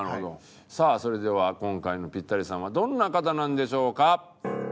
さあそれでは今回のピッタリさんはどんな方なんでしょうか？